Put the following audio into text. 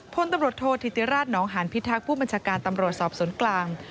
พลตำรวจโทษธิติราชนองหานพิทักษ์ผู้บัญชาการตำรวจสอบสวนกลาง